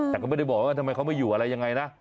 แต่ก็ไม่ได้บอกว่าทำไมเขาไม่อยู่อะไรยังไงนะ